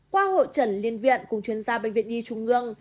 qua hội trần liên viện cùng chuyên gia bệnh viện nhi trung ương